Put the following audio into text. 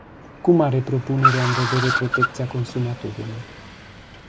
Cum are propunerea în vedere protecția consumatorului?